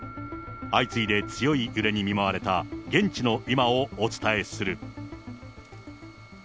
相次いで強い揺れに見舞われた現地の今をお伝えする。